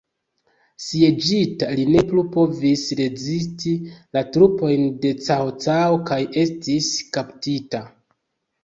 Sieĝita li ne plu povis rezisti la trupojn de Cao Cao kaj estis kaptita.